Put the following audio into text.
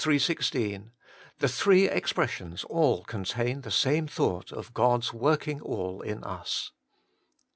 16), — the three expressions all contain the same thought of God's working all in us.